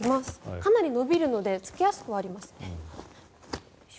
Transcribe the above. かなり伸びるのでつけやすくはありますね。